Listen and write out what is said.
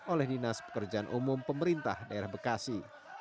oleh dinas pekerjaan umum pemerintah daerah bekasi